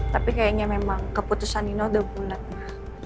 tapi kayaknya memang keputusan nino udah bunet ma